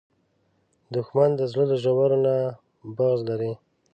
دښمن د زړه له ژورو نه بغض لري